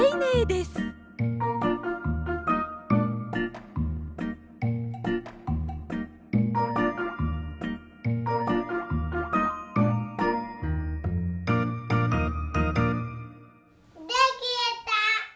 できた！